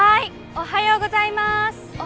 「おはようございます」。